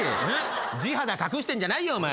地肌隠してんじゃないよお前。